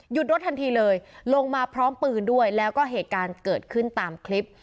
รถทันทีเลยลงมาพร้อมปืนด้วยแล้วก็เหตุการณ์เกิดขึ้นตามคลิป